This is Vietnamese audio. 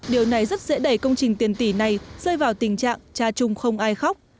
điều này rất dễ đẩy công trình tiền tỷ này rơi vào tình trạng cha chung không ai khóc